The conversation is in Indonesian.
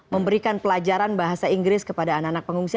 memberikan pelajaran bahasa inggris kepada anak anak pengungsi